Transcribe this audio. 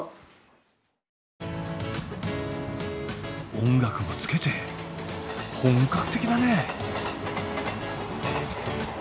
音楽もつけて本格的だねえ。